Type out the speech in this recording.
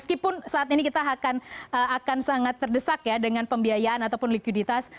meskipun saat ini kita akan sangat terdesak ya dengan pembiayaan ataupun likuiditas